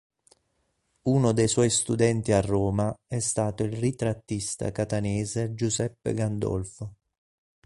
Uno dei suoi studenti a Roma è stato il ritrattista catanese Giuseppe Gandolfo.